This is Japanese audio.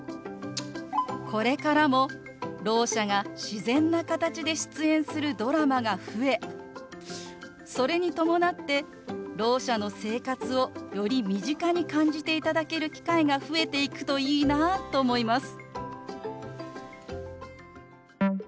これからもろう者が自然な形で出演するドラマが増えそれに伴ってろう者の生活をより身近に感じていただける機会が増えていくといいなと思います。